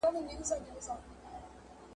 پکښي بندي یې سوې پښې او وزرونه ,